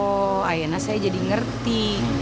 oh akhirnya saya jadi ngerti